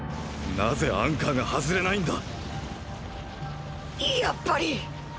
なぜアンカーが外れないんだやっぱり！！